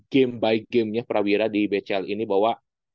game by gamenya prawira di bcl ini bahwa